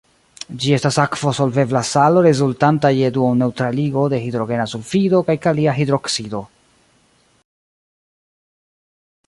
Ĝi estas akvo-solvebla salo rezultanta je duon-neŭtraligo de hidrogena sulfido kaj kalia hidroksido.